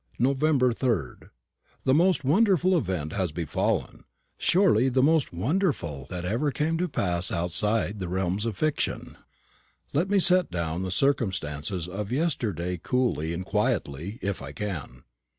November 3 d. The most wonderful event has befallen surely the most wonderful that ever came to pass outside the realms of fiction. Let me set down the circumstances of yesterday coolly and quietly if I can.